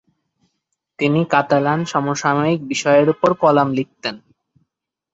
তিনি কাতালান সমসাময়িক বিষয়ের উপর কলাম লিখতেন।